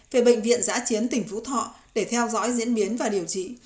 về bệnh viện giã chiến tỉnh phú thọ để theo dõi diễn biến và điều trị